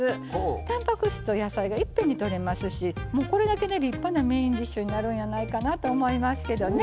たんぱく質と野菜がいっぺんにとれますしこれだけで立派なメインディッシュになるんやないかなと思いますけどね。